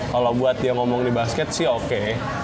kalau buat dia ngomong di basket sih oke